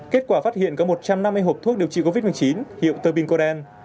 kết quả phát hiện có một trăm năm mươi hộp thuốc điều trị covid một mươi chín hiệu tơ binh cô đen